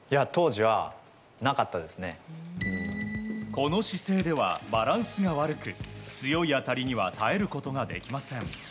この姿勢では、バランスが悪く強い当たりには耐えることができません。